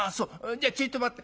じゃちょいと待って。